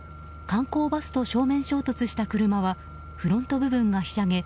観光バスと正面衝突した車はフロント部分がひしゃげ